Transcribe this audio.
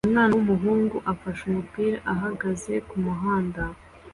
Umwana wumuhungu ufashe umupira uhagaze kumuhanda